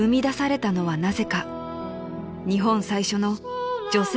［日本最初の女性